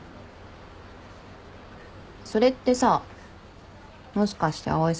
それってさもしかして蒼井さんのこと？